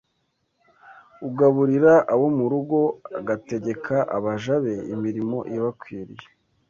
ugaburira abo mu rugo, agategeka abaja be imirimo ibakwiriye